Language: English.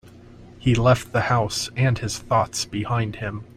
He left the house and his thoughts behind him.